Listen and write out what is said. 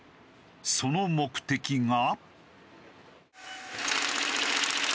その目的が。